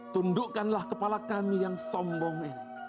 tundukkanlah kepala kami yang sombong ini